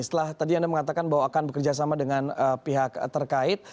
setelah tadi anda mengatakan bahwa akan bekerjasama dengan pihak terkait